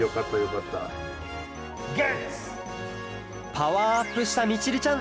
パワーアップしたみちるちゃん